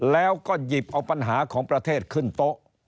แล้วก็หยิบเอาปัญหาของประเทศขึ้นโต๊ะ